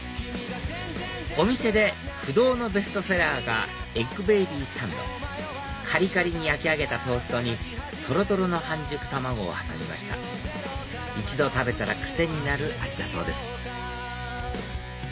お店で不動のベストセラーがエッグベイビーサンドカリカリに焼き上げたトーストにとろとろの半熟卵を挟みました一度食べたら癖になる味だそうです